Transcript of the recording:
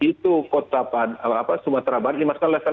itu kota sumatera barat dimasukkan level empat